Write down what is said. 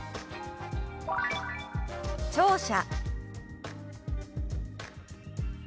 「聴者」。